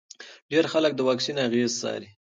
ډېر خلک د واکسین اغېزې څاري.